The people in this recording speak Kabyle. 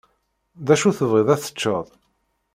D acu tebɣiḍ ad teččeḍ?